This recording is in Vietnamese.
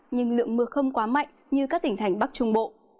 nhưng lượng mưa không quá mạnh như các tỉnh thành bắc trung bộ